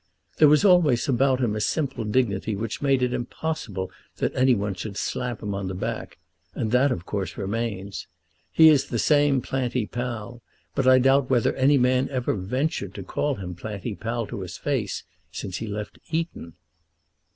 There was always about him a simple dignity which made it impossible that any one should slap him on the back; and that of course remains. He is the same Planty Pall; but I doubt whether any man ever ventured to call him Planty Pall to his face since he left Eton."